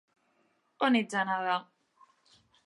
-On ets anada?